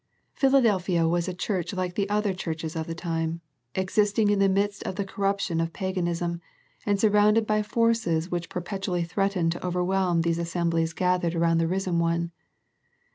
Philadelphia was a church like the other churches of the time, existing in the midst of the corruption of pa ganism, and surrounded by forces which per petually threatened to overwhelm these assem blies gathered around the risen One.